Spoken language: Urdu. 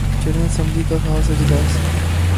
جنرل اسمبلی کا خاص اجلاس